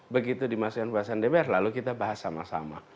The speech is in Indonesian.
begitu dimasukkan pembahasan dpr lalu kita bahas sama sama